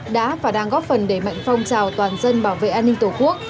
đã và đang góp phần để mạnh phong trào toàn dân bảo vệ an ninh tổ quốc